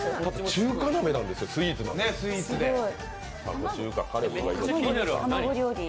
中華鍋なんですね、スイーツなのに。